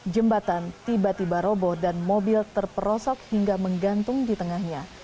jembatan tiba tiba robo dan mobil terperosok hingga menggantung di tengahnya